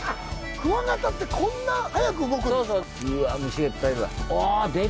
クワガタってこんな早く動くんですか？